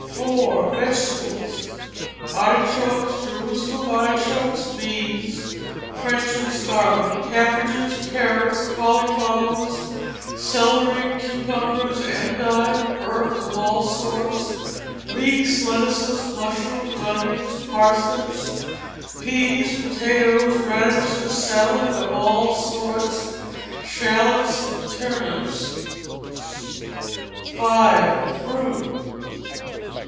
iv. Vegetables. Artichokes, Jerusalem artichokes, beans (French and scarlet), cabbages, carrots, cauliflowers, celery, cucumbers, endive, herbs of all sorts, leeks, lettuces, mushrooms, onions, parsnips, peas, potatoes, radishes, salad of all sorts, shalots, turnips. v. Fruit.